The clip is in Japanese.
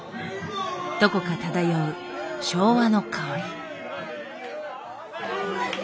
どこか漂う昭和の薫り。